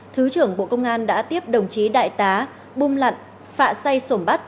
thứ trưởng bộ công an đã tiếp đồng chí đại tá bung lặn phạ say sổm bắt